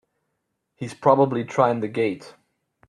He's probably trying the gate!